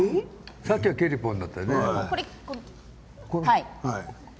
さっきはケリポンだったよね。